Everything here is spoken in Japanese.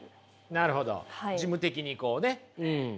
なるほど事務的にこうね。